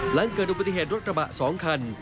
หลังเกิดอุปสิทธิ์รถกระบะ๒คัน